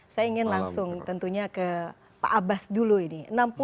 saya ingin langsung tentunya ke pak abbas dulu ini